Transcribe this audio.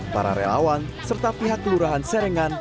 para relawan serta pihak kelurahan serengan